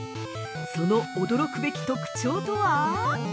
その驚くべき特徴とは？